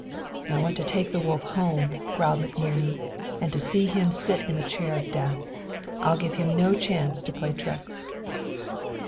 "I want to take the wolf home," growled McNerney, "and to see him sit in the chair of death. I'll give him no chance to play tricks!"